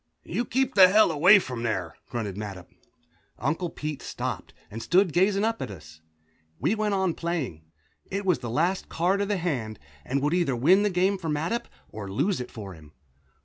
"You keep the hell away from there," grunted Mattup. Uncle Pete stopped and stood gazing up at us. We went on playing. It was the last card of the hand, and would either win the game for Mattup or lose it for him.